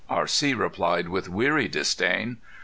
R.C. replied with weary disdain.